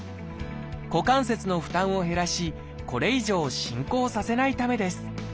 股関節の負担を減らしこれ以上進行させないためです。